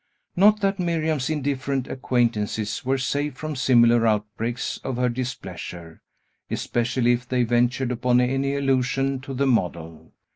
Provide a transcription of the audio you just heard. Not that Miriam's indifferent acquaintances were safe from similar outbreaks of her displeasure, especially if they ventured upon any allusion to the model.